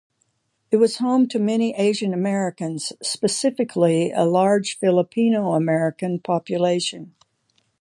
It was home to many Asian Americans, specifically a large Filipino American population.